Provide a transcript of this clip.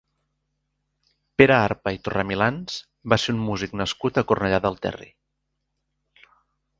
Pere Arpa i Torremilans va ser un músic nascut a Cornellà del Terri.